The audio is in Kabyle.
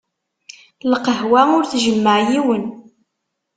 Lqahwa ur tjemmeε yiwen.